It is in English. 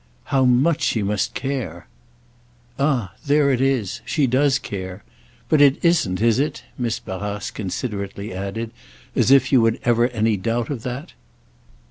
"How much she must care!" "Ah there it is. She does care. But it isn't, is it," Miss Barrace considerately added, "as if you had ever had any doubt of that?"